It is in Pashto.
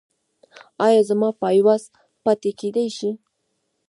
ایا زما پایواز پاتې کیدی شي؟